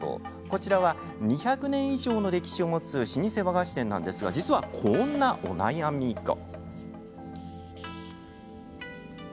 こちらは２００年以上の歴史を持つ老舗和菓子店なんですが実は、こんなお悩みが。